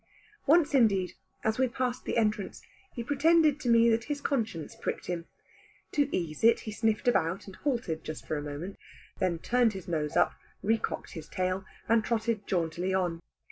Once indeed, as we passed the entrance, he pretended to me that his conscience pricked him. To ease it, he sniffed about, and halted just for a moment, then turned his nose up, recocked his tail, and trotted jauntily on.